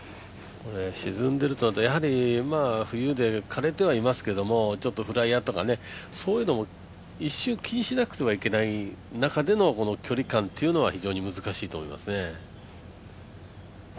沈んでると冬で枯れてはいますけど、フライヤーとか、そういうのも一瞬気にしなくてはいけない中でのこの距離感というのは非常に難しいと思いますね。